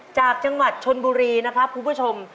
จากจังหวัดชนบุรีนะครับคุณผู้ชม